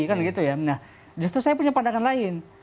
kan gitu ya nah justru saya punya pandangan lain